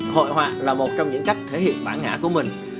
hội họa là một trong những cách thể hiện bản ngã của mình